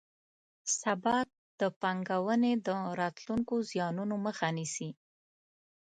ثبات د پانګونې د راتلونکو زیانونو مخه نیسي.